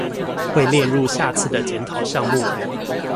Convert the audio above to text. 會列入下次的檢討項目